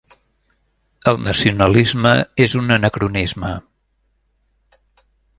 El nacionalisme és un anacronisme.